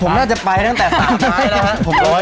ผมน่าจะไปตั้งแต่๓ท้ายแล้วครับ